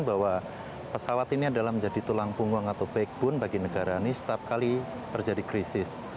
bahwa pesawat ini adalah menjadi tulang punggung atau backbone bagi negara ini setiap kali terjadi krisis